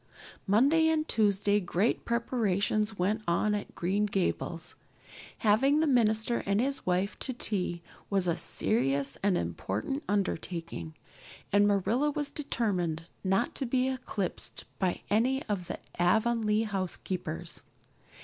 Monday and Tuesday great preparations went on at Green Gables. Having the minister and his wife to tea was a serious and important undertaking, and Marilla was determined not to be eclipsed by any of the Avonlea housekeepers.